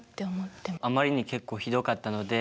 あまりに結構ひどかったので。